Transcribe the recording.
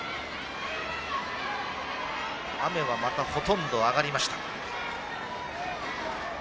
雨はまたほとんど上がりました。